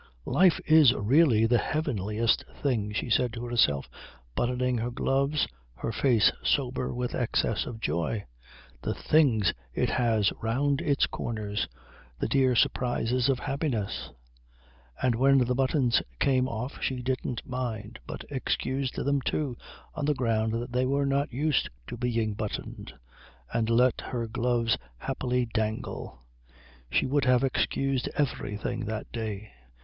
"Life is really the heavenliest thing," she said to herself, buttoning her gloves, her face sober with excess of joy. "The things it has round its corners! The dear surprises of happiness." And when the buttons came off she didn't mind, but excused them, too, on the ground that they were not used to being buttoned, and let her gloves happily dangle. She would have excused everything that day.